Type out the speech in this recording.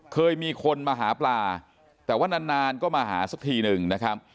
เคยมีคนมาหาปลาแต่ว่านานนานก็มาหาสักทีหนึ่งนะครับ